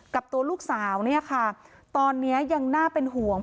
กับตัวลูกสาวตอนนี้ยังน่าเป็นห่วง